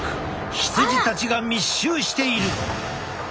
羊たちが密集している。